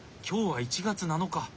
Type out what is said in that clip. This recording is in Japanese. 今日は１月７日！